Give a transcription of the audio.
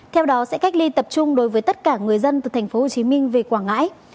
theo đó sẽ cách ly tập trung đối với tất cả người dân từ thành phố hồ chí minh về quảng ngãi